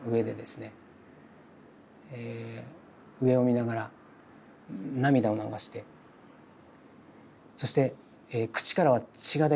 上を見ながら涙を流してそして口からは血が出てるんです。